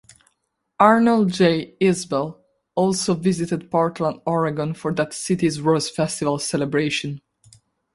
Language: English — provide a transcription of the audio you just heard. "Arnold J. Isbell" also visited Portland, Oregon, for that city's Rose Festival celebration.